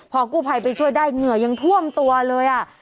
พอกู้ภัยไปช่วยได้เหงื่อยังท่วมตัวเลย